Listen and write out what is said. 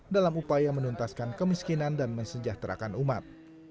dalam upaya menuntaskan kemiskinan dan mensejahterakan umat